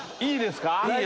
いいですか？